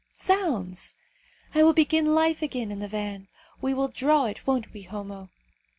Zounds! I will begin life again in the van. We will draw it, won't we, Homo?"